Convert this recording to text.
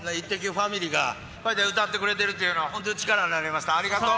ファミリーがこうやって歌ってくれてるというのは、本当に刺さりました。